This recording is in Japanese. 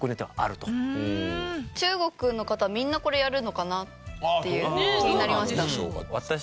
中国の方はみんなこれやるのかなっていう気になりました。